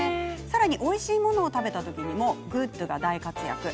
さらにおいしいものを食べたときにもＧｏｏｄが大活躍。